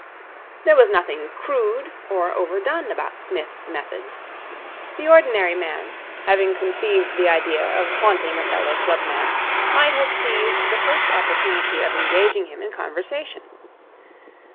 There was nothing crude or overdone about Psmith's methods. The ordinary man, having conceived the idea of haunting a fellow clubman, might have seized the first opportunity of engaging him in conversation.